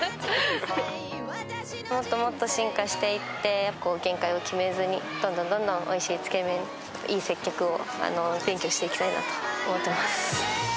もっともっと進化していって、限界を決めずに、どんどんどんどん、おいしいつけ麺と、いい接客を勉強していきたいなと思っています。